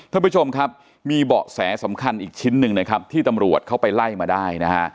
ท่านผู้ชมครับมีเบาะแสสำคัญอีกชิ้นหนึ่งนะครับที่ตำรวจเข้าไปไล่มาได้นะฮะ